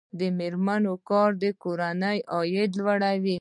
د میرمنو کار د کورنۍ عاید لوړوي.